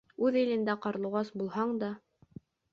Үҙ илендә ҡарлуғас булһаң да